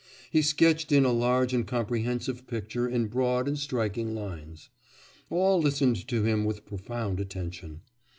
He sketched in a large and comprehensive picture in broad and striking lines. All listened to him with profound attention.